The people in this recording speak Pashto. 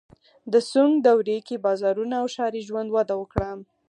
د سونګ دورې کې بازارونه او ښاري ژوند وده وکړه.